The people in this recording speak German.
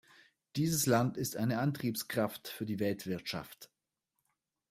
Dieses Land ist eine Antriebskraft für die Weltwirtschaft.